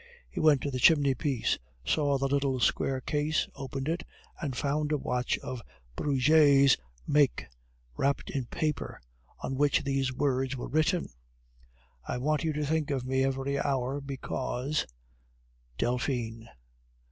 He went to the chimney piece, saw the little square case, opened it, and found a watch of Breguet's make wrapped in paper, on which these words were written: "I want you to think of me every hour, because... "DELPHINE."